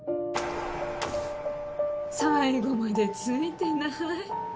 最後までツイてない。